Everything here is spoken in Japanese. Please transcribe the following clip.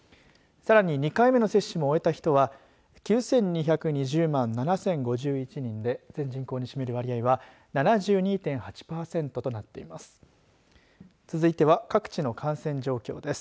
さらに２回目の接種も終えた人は９２２０万７０５１人で全人口に占める割合は７２．８パーセントとなっています。